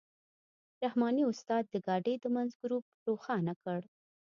رحماني استاد د ګاډۍ د منځ ګروپ روښانه کړ.